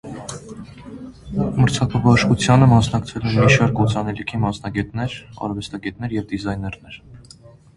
Մրցանակաբաշխությանը մասնակցել են մի շարք օծանելիքի մասնագետներ, արվեստագետներ և դիզայներներ։